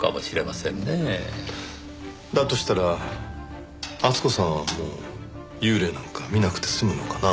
だとしたら厚子さんはもう幽霊なんか見なくて済むのかな。